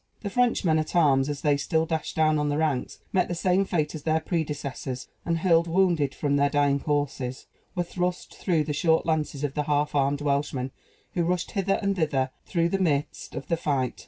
The French men at arms, as they still dashed down on the ranks, met the same fate as their predecessors; and, hurled wounded from their dying horses, were thrust through by the short lances of the half armed Welshmen, who rushed hither and thither through the midst of the fight.